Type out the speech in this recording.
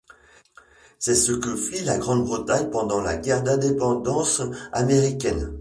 C’est ce que fit la Grande-Bretagne pendant la guerre d'indépendance américaine.